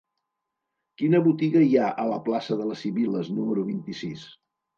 Quina botiga hi ha a la plaça de les Sibil·les número vint-i-sis?